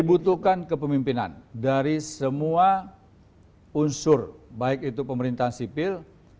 dibutuhkan kepemimpinan dari semua unsur baik itu pemerintahan sipil